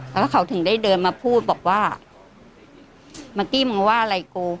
แล้วก็เขาถึงได้เดินมาพูดบอกว่าเมื่อกี้มึงว่าอะไรกู